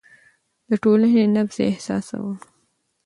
د ټولنې نبض يې احساساوه.